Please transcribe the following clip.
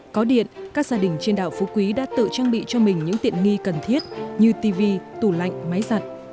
có điện các gia đình trên đảo phú quý đã tự trang bị cho mình những tiện nghi cần thiết như tv tủ lạnh máy giặt